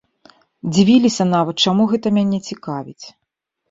Дзівіліся нават, чаму гэта мяне цікавіць.